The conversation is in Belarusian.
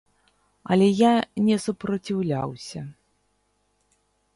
Але я не супраціўляўся.